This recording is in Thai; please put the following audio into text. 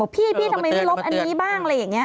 พี่ทำไมไม่ลบอันนี้บ้างอะไรอย่างนี้